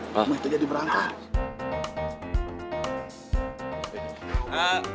makanya jadi berangkat